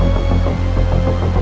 saya harus melakukan sesuatu yang baik